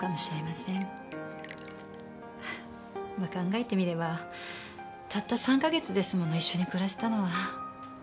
まあ考えてみればたった３カ月ですもの一緒に暮らしたのは。